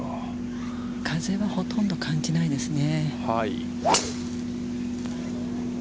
風はほとんど感じないですね。